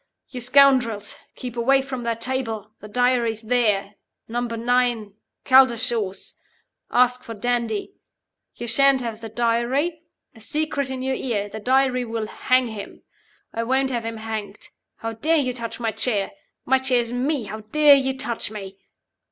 'You scoundrels. Keep away from that table. The Diary's there. Number Nine, Caldershaws. Ask for Dandie. You shan't have the Diary. A secret in your ear. The Diary will hang, him. I won't have him hanged. How dare you touch my chair? My chair is Me! How dare you touch Me?